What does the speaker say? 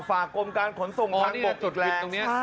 ฝากกรมการขนสุ่มทางบกติดแรก